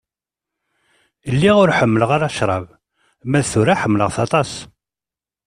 Lliɣ ur ḥemmleɣ ara ccṛab, ma d tura ḥemmlaɣ-t aṭas.